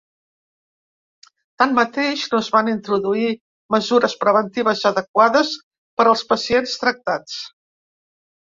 Tanmateix, no es van introduir mesures preventives adequades per als pacients tractats.